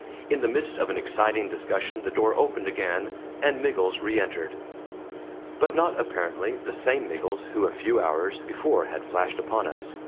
In the midst of an exciting discussion the door opened again, and Miggles re entered. But not, apparently, the same Miggles who a few hours before had flashed upon us.